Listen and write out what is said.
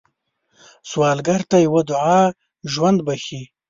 سوالګر ته یوه دعا ژوند بښي